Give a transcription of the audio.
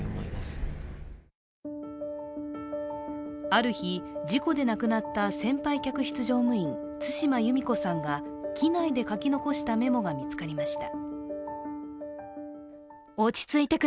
ある日、事故で亡くなった先輩客室乗務員、対馬祐三子さんが機内で書き残したメモが見つかりました。